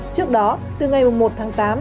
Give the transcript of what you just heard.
trước đó từ ngày một tháng tám